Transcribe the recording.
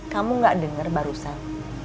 kamu nggak denger barusan